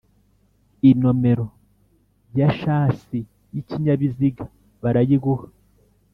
inomero ya shasi y'ikinyabiziga barayiguha